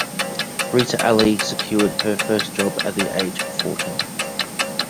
Rita Ali secured her first job at the age of fourteen.